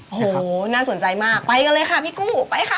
โอ้โหน่าสนใจมากไปกันเลยค่ะพี่กู้ไปค่ะ